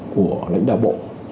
của lãnh đạo bộ